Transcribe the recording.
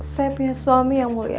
saya punya suami yang mulia